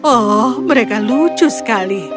oh mereka lucu sekali